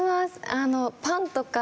パンとか。